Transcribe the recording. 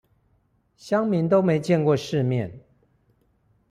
鄉民都沒見過世面